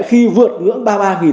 khi vượt ngưỡng ba mươi ba